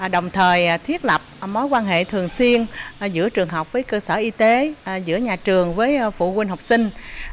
đồng thời thiết lập mối quan hệ thường xuyên giữa trường học với cơ sở y tế giữa nhà trường với phụ huynh học sinh